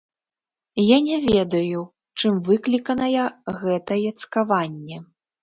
Я не ведаю, чым выкліканая гэтае цкаванне.